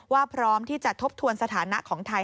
พร้อมที่จะทบทวนสถานะของไทย